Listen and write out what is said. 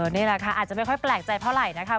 นี่แหละค่ะอาจจะไม่ค่อยแปลกใจเท่าไหร่นะคะ